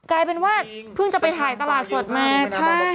กลายเป็นว่าเพิ่งจะไปถ่ายตลาดสดมาใช่